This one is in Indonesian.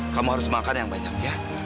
kamu harus makan yang banyak ya